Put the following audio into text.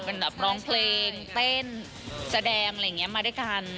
เป็นแบบร้องเพลงเต้นแสดงอะไรอย่างนี้มาด้วยกัน